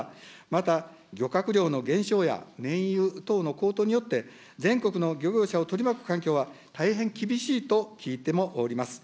また漁獲量の減少や燃油等の高騰によって、全国の漁業者を取り巻く環境は大変厳しいと聞いてもおります。